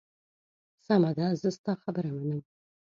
سمه ده، زه ستا خبره منم.